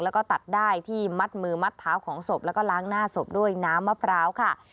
แล้วก็ตัดได้ที่มัดมือมัดเท้าของศพแล้วก็ล้างหน้าศพด้วยน้ำมะพร้าวค่ะ